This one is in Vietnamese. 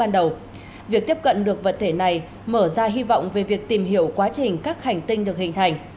việc tiếp cận được vật thể này mở ra hy vọng về việc tìm hiểu quá trình các hành tinh được hình thành